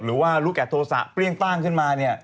หรือว่ารูกแอทโทสะเปรี้ยงต่างเกินมา